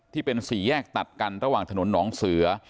ที่เป็นสี่แยกตัดกันระหว่างถนนหนองเสือ